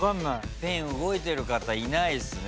ペン動いてる方いないっすね。